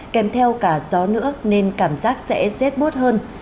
kèm theo cả gió nữa nên cảm giác sẽ dết bốt hơn